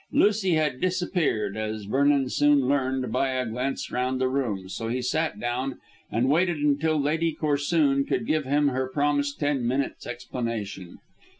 Lucy had disappeared, as Vernon soon learned by a glance round the room, so he sat down and waited until Lady Corsoon could give him her promised ten minutes' explanation.